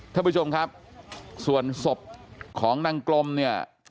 ท่านผู้ชมครับส่วนศพของนางกลมเนี่ย